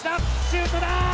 シュートだ！